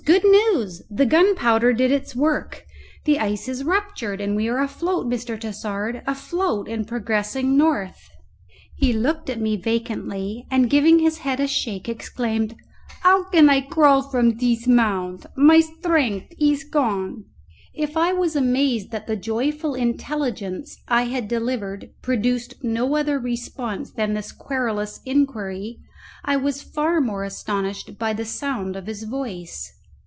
good news! the gunpowder did its work! The ice is ruptured and we are afloat, Mr. Tassard, afloat and progressing north!" He looked at me vacantly, and giving his head a shake exclaimed, "How can I crawl from this mound? My strength is gone." If I was amazed that the joyful intelligence I had delivered produced no other response than this querulous inquiry, I was far more astonished by the sound of his voice.